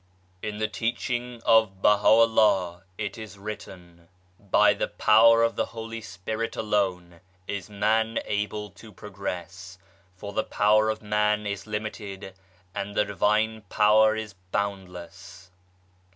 TN the teaching of Baha'u'llah, it is written :" By the Power of the Holy Spirit alone is man able to progress, for the power of man is limited and the Divine Power is boundless."